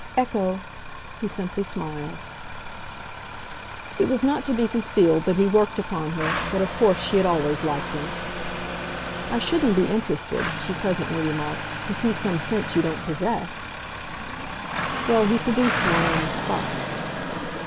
"Ecco!" he simply smiled. It was not to be concealed that he worked upon her, but of course she had always liked him. "I should be interested," she presently remarked, "to see some sense you don't possess." Well, he produced one on the spot.